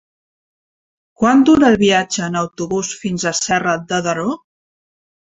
Quant dura el viatge en autobús fins a Serra de Daró?